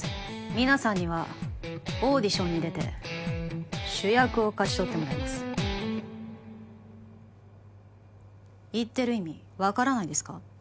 皆さんにはオーディションに出て主役を勝ち取ってもらいます言ってる意味分からないんですか？